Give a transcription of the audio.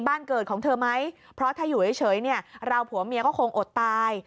บ้านเกิดของเธอไหมเพราะถ้าอยู่เฉยเนี่ยเราผัวเมียก็คงอดตาย